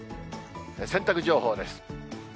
洗濯情報です。